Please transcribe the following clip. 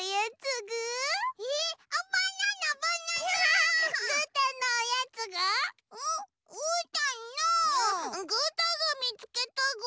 ぐーたんがみつけたぐ。